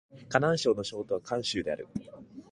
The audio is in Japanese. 河南省の省都は鄭州である